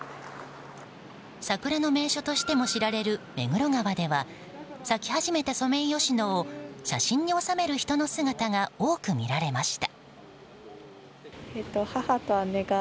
桜の名所としても知られる目黒川では咲き始めたソメイヨシノを写真に収める人の姿が多く見られました。